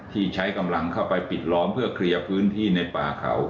ที่ใช้กำลังเข้าไปปิดล้อมเพื่อเคลียร์พื้นที่ในป่าเขา